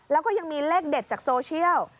แล้วก็ยังมีเลขเด็ดจากโซเชียล